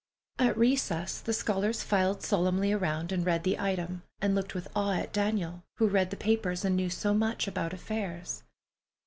At recess the scholars filed solemnly around and read the item, and looked with awe at Daniel, who read the papers and knew so much about affairs.